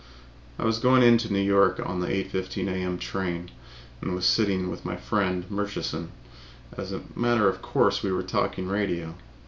I was going in to New York on the 8:15 A.M. train and was sitting with my friend Murchison and, as a matter of course, we were talking radio.